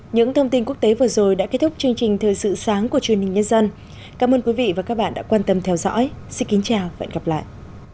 những thông tin quốc tế vừa rồi đã kết thúc chương trình thời sự sáng của truyền hình nhân dân cảm ơn quý vị và các bạn đã quan tâm theo dõi xin kính chào và hẹn gặp lại